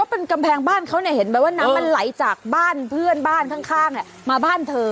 เป็นกำแพงบ้านเขาเนี่ยเห็นไหมว่าน้ำมันไหลจากบ้านเพื่อนบ้านข้างมาบ้านเธอ